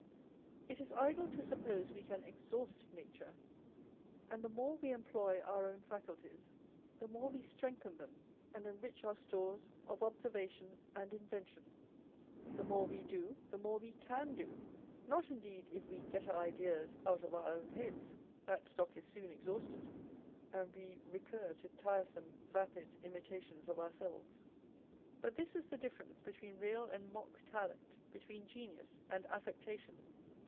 It is idle to suppose we can exhaust nature ; and the more we employ our own faculties, the more we strengthen them and enrich our stores of observation and invention. The more we do, the more we can do. Not indeed if we get our ideas out of our own heads â€" that stock is soon ex hausted, and we recur to tiresome, vapid imitations of ourselves. But this is the difference between real and mock talent, between genius and affectation.